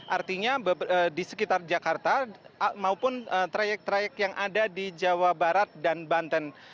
artinya di sekitar jakarta maupun trayek trayek yang ada di jawa barat dan banten